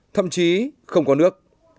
thậm chí không có nước